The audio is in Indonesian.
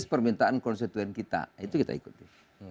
pertanyaan mana tadi